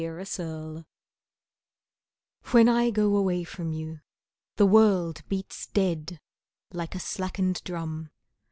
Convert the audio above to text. The Taxi When I go away from you The world beats dead Like a slackened drum.